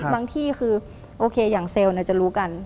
ที่คือโอเคอย่างเซลล์จะรู้กัน